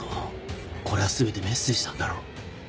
これは全てメッセージなんだろ？